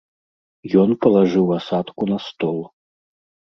Ён палажыў асадку на стол.